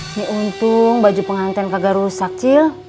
ini untung baju pengantin kagak rusak cil